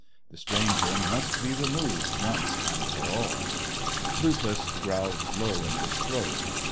The stranger must be removed, once and for all. Lupus growled low in his throat.